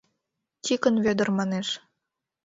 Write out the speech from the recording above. — Тикын Вӧдыр манеш.